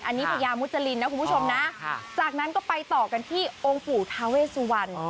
อันนี้พญามุจรินนะคุณผู้ชมนะจากนั้นก็ไปต่อกันที่องค์ปู่ทาเวสุวรรณ